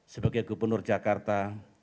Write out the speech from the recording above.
sebagai gubernur jakarta